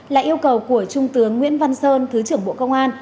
là yêu cầu của trung tướng nguyễn văn sơn thứ trưởng bộ công an